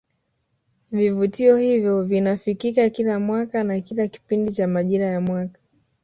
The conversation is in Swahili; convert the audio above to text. Vivutio hivyo vinafikika kila mwaka na kila kipindi cha majira ya mwaka